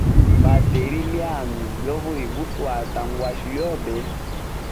Bateri lyami lyo vuyia buswata, ngwashe lyobe.